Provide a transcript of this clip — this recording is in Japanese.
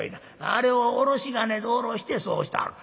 あれをおろし金でおろしてそうしたある」。